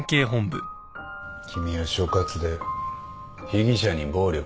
君は所轄で被疑者に暴力を働いた。